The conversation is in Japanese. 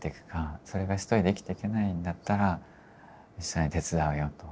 それが一人で生きていけないんだったら一緒に手伝うよと。